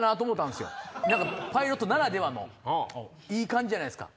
パイロットならではのいい感じじゃないですか。